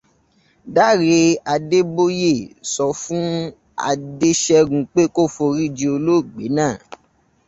Dáre Adébóyè sọ fún Adéṣẹ́gun pé kó foríji olóògbé náà